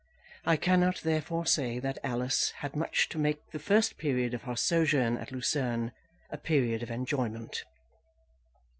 I cannot, therefore, say that Alice had much to make the first period of her sojourn at Lucerne a period of enjoyment.